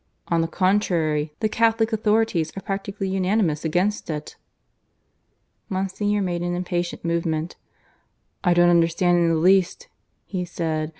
On the contrary, the Catholic authorities are practically unanimous against it." Monsignor made an impatient movement. "I don't understand in the least," he said.